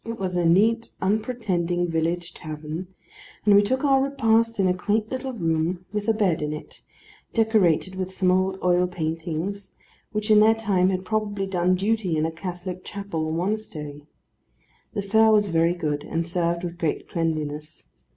It was a neat, unpretending village tavern, and we took our repast in a quaint little room with a bed in it, decorated with some old oil paintings, which in their time had probably done duty in a Catholic chapel or monastery. The fare was very good, and served with great cleanliness.